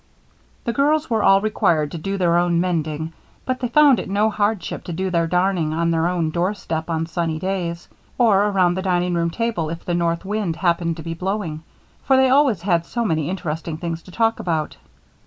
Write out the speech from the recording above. The girls were all required to do their own mending, but they found it no hardship to do their darning on their own doorstep on sunny days, or around the dining room table if the north wind happened to be blowing, for they always had so many interesting things to talk about.